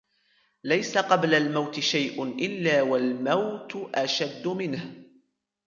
لَيْسَ قَبْلَ الْمَوْتِ شَيْءٌ إلَّا وَالْمَوْتُ أَشَدُّ مِنْهُ